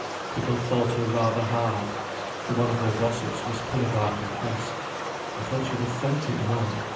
People thought her rather hard. To one of her gossips Miss Pinnegar confessed: "I thought she'd have felt it more.